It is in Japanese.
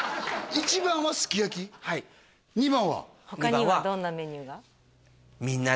他にはどんなメニューが？